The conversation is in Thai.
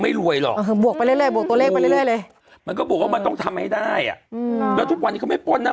เพราะมันต้องทำให้ได้แล้วทุกวันนี้เขาไม่ป้น๕๐๐๐๐๒๐๐๐๐อ่ะ